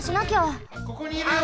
・ここにいるよ！